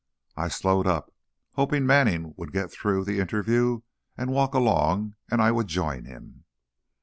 I slowed up, hoping Manning would get through the interview and walk along, and I would join him.